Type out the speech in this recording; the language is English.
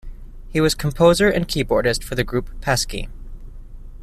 He was composer and keyboardist for the group Pesky.